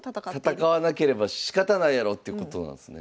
戦わなければしかたないやろってことなんですね。